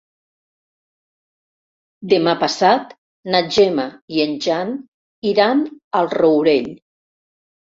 Demà passat na Gemma i en Jan iran al Rourell.